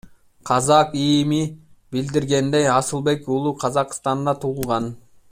Казак ИИМи билдиргендей, Асылбек уулу Казакстанда туулган.